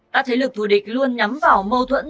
ta thấy lực thù địch luôn nhắm vào mâu thuẫn